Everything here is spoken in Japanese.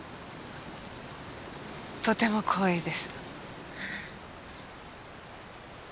とても光栄です。